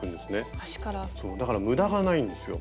だから無駄がないんですよ。